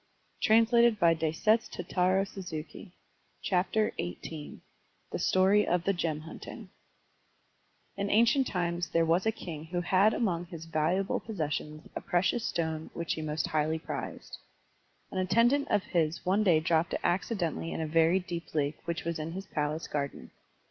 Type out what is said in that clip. Digitized by Google THE STORY OF THE GEM HUNTING^ IN ancient times there was a king who had among his valuable possessions a precious stone which he most highly prized. An attendant of his one day dropped it accidentally in a very deep lake which was in his palace garden.